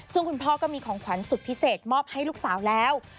ซึ่งคุณพ่อก็มีของขวัญสุดพิเศษมอบให้ลูกสาวแล้ว